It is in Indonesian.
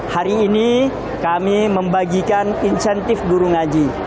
hari ini kami membagikan insentif guru ngaji